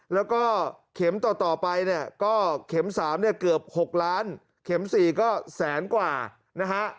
แล้วก็เข็มต่อไปเนี่ยก็เข็ม๓เนี่ยเกือบ๖ล้านเข็ม๔ก็แสนกว่านะฮะ